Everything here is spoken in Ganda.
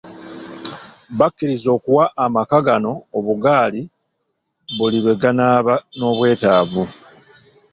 Bakkiriza okuwa amaka gano obugaali buli lwe ganaaba n'obwetaavu.